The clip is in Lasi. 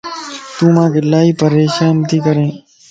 تو مانک الائي پريشان تي ڪرين